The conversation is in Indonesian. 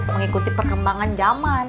mengikuti perkembangan zaman